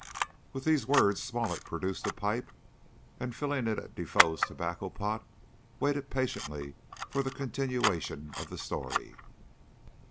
With these words Smollett produced a pipe, and filling it at Defoe's tobacco pot, waited patiently for the continuation of the story.